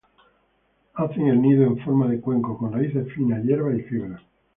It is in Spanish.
Hacen el nido en forma de cuenco, con raíces finas, hierbas y fibras.